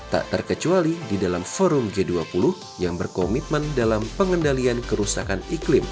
tak terkecuali di dalam forum g dua puluh yang berkomitmen dalam pengendalian kerusakan iklim